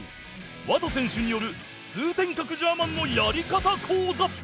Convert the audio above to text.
ワト選手による通天閣ジャーマンのやり方講座